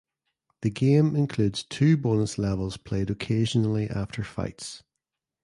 The game includes two bonus levels played occasionally after fights.